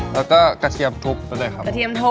และกาเทียมทุบ